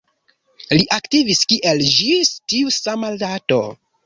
Li aktivis kiel ĝis tiu sama dato.